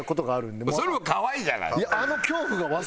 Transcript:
それも可愛いじゃない。